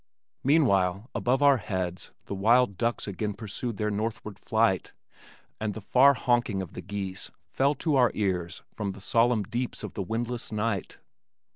Meanwhile, above our heads the wild ducks again pursued their northward flight, and the far honking of the geese fell to our ears from the solemn deeps of the windless night.